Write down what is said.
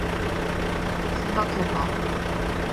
생각해 봐.